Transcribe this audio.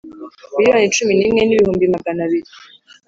miliyoni cumi n imwe n ibihumbi magana abiri